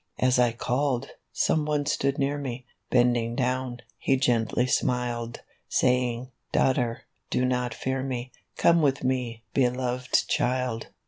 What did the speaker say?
"As I called, some one stood near me, Bending down, he gently smiled, Saying, 'Daughter, do not fear me; Come with me, beloved child.